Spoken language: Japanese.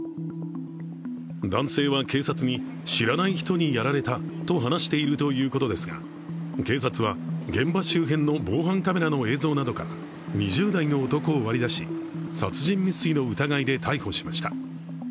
男性は警察に知らない人にやられたと話しているということですが警察は、現場周辺の防犯カメラの映像などから２０代の男を割り出し、殺人未遂の疑いで逮捕しました。